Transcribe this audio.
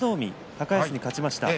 高安に勝ちました。